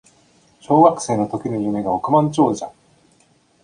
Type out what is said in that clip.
小学生の時の夢が億万長者